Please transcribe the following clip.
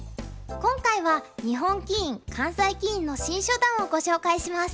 今回は日本棋院関西棋院の新初段をご紹介します。